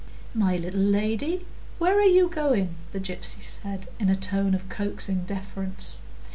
"My little lady, where are you going to?" the gypsy said, in a tone of coaxing deference.